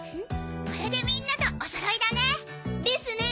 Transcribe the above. これでみんなとおそろいだね。ですね。